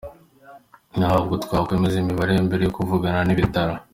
Ntabwo twakwemeza imibare mbere yo kuvugana n’ibitaro.